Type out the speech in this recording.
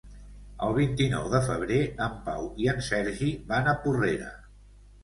El vint-i-nou de febrer en Pau i en Sergi van a Porrera.